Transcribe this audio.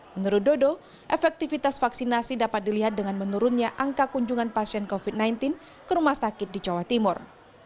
menurut dodo efektivitas vaksinasi dapat dilihat dengan menurunnya angka kunjungan pasien covid sembilan belas ke rumah sakit di jawa timur